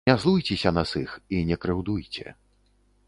Не злуйцеся нас іх і не крыўдуйце.